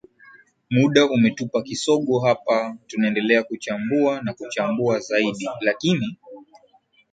muda umetupa kisogo hapa tunaendelea kuchambua na kuchambua zaidi lakini